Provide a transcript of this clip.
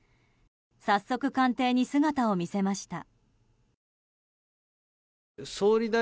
早速、官邸に姿を見せました。